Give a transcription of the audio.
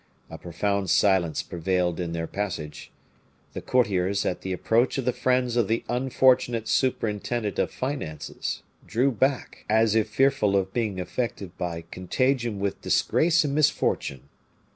A profound silence prevailed in their passage. The courtiers, at the approach of the friends of the unfortunate superintendent of finances, drew back, as if fearful of being affected by contagion with disgrace and misfortune.